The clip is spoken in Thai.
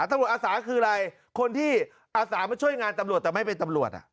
อาสาคืออะไรคนที่อาสามาช่วยงานตำรวจแต่ไม่เป็นตำรวจ